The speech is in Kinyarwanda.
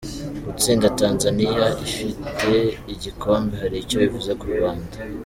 Gutsinda Tanzania ifite igikombe hari icyo bivuze ku Rwanda:.